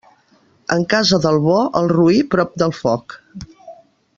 En casa del bo, el roí prop del foc.